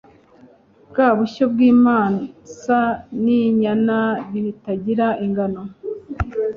bwa bushyo bw'ibimasa n'inyana bitagira ingano